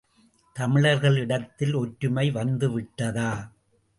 தமிழர்களிடத்தில் ஒற்றுமை வந்து விட்டதா?